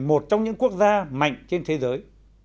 một trong những quốc gia mạnh trên thế giới